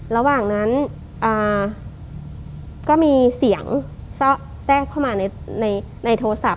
ระหว่างนั้นก็มีเสียงแทรกเข้ามาในโทรศัพท์